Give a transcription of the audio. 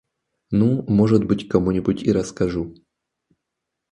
Ну, может быть кому-нибудь и расскажу.